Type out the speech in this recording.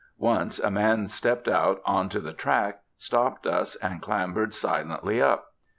Once a man stepped out on to the track, stopped us, and clambered silently up.